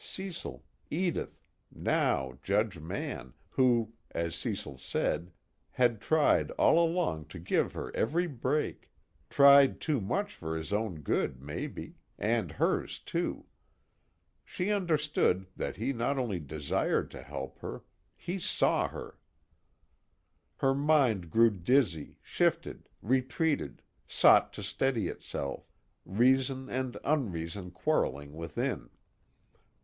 Cecil, Edith, now Judge Mann who, as Cecil said, had tried all along to give her every break tried too much for his own good, maybe, and hers too. She understood that he not only desired to help her: he saw her. Her mind grew dizzy, shifted, retreated, sought to steady itself, reason and unreason quarreling within.